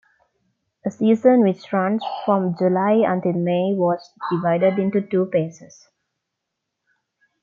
A season, which runs from July until May, was divided into two phases.